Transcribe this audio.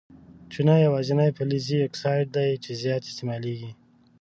چونه یوازیني فلزي اکساید دی چې زیات استعمالیږي.